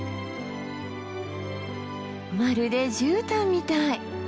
まるでじゅうたんみたい。